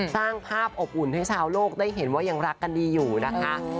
สร้างภาพอบอุ่นให้ชาวโลกได้เห็นว่ายังรักกันดีอยู่นะคะ